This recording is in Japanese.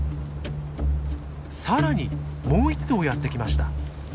更にもう１頭やって来ました。